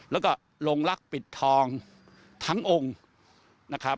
แล้วก็ลงรักปิดทองทั้งองค์นะครับ